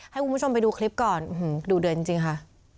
ให้คุณผู้ชมไปดูคลิปก่อนดูเดือดจริงค่ะ